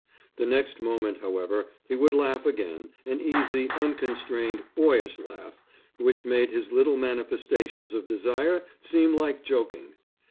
The next moment, however, he would laugh again, an easy, unconstrained, boyish laugh, which made his little manifestations of desire seem like joking.